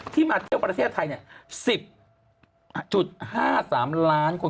ที่มาเที่ยวประเทศไทยเนี่ย๑๐๕๓ล้านคน